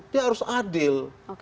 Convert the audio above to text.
dia harus adil